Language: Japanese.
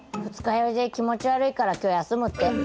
二日酔いで気持ち悪いから今日休むって。